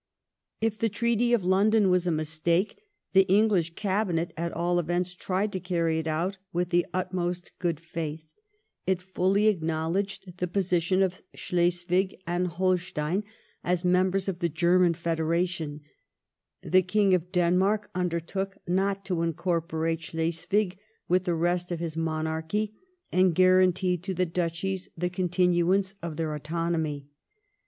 If the Treaty of London was a mistake, the English Cabinet at all events tried to carry it out with the utmost good faith. It fully acknowledged the position^ 284 LIFE OF VmaOVNT PALMEB8T0N. of Schleswig and Holstein as members of the German Federation; the King of Denmark undertook not to incorporate Schleswig with the rest of his monarchy, and guaranteed to the Duchies the continuance of their autonomy.